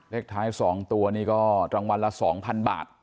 เลขท้าย๒ตัวนี่ก็รางวัลละ๒๐๐๐บาท